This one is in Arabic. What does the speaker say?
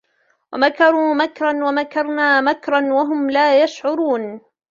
وَمَكَرُوا مَكْرًا وَمَكَرْنَا مَكْرًا وَهُمْ لَا يَشْعُرُونَ